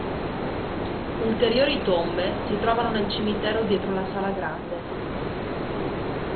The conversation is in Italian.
Ulteriori tombe si trovano nel cimitero dietro la Sala Grande.